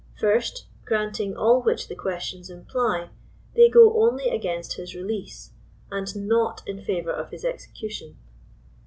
First, granting all which the questions imply, they go only against his release, and not in favor of his execution.